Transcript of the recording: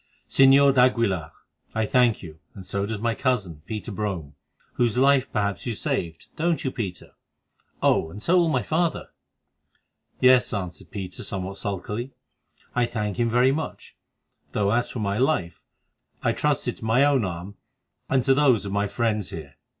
"Señor d'Aguilar, I thank you, and so does my cousin, Peter Brome, whose life perhaps you saved—don't you, Peter? Oh! and so will my father." "Yes," answered Peter somewhat sulkily, "I thank him very much; though as for my life, I trusted to my own arm and to those of my friends there.